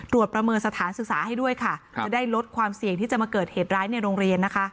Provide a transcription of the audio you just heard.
ประเมินสถานศึกษาให้ด้วยค่ะจะได้ลดความเสี่ยงที่จะมาเกิดเหตุร้ายในโรงเรียนนะคะ